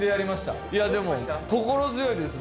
いやでも心強いです。